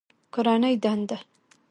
کورنۍ دنده